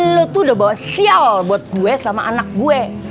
lu tuh udah bawa sial buat gue sama anak gue